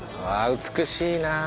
ああ美しいな。